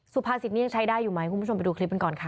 สุภาษิตนี่ยังใช้ได้อยู่ไหมคุณผู้ชมไปดูคลิปกันก่อนค่ะ